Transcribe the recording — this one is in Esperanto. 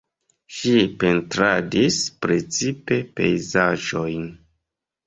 Ŝi pentradis precipe pejzaĝojn.